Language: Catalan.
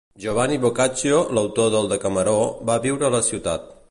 Giovanni Boccaccio, l'autor del Decameró, va viure a la ciutat.